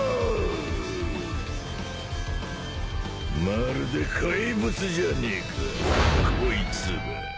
まるで怪物じゃねえかこいつら。